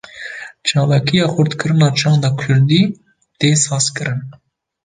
Çalakiya xurtkirina çanda Kurdî, tê sazkirin